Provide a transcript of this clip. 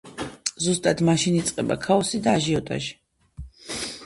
ზუსტად მაშინ იწყება ქაოსი და აჟიოტაჟი.